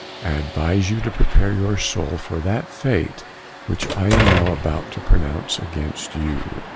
I advise you to prepare your soul for that fate which I am now about to pronounce against you.